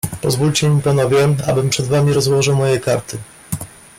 "Pozwólcie mi panowie, abym przed wami rozłożył moje karty."